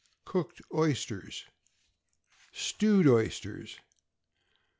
COOKED OYSTERS. =Stewed Oysters.